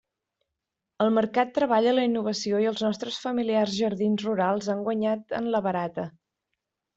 El mercat treballa la innovació i els nostres familiars jardins rurals han guanyat en la barata.